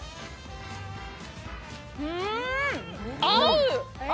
うーん、合う！